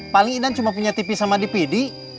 paling idan cuma punya tv sama dvd